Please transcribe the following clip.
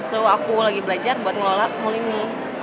so aku lagi belajar buat ngelola mul ini